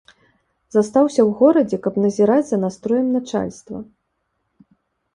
Застаўся ў горадзе, каб назіраць за настроем начальства.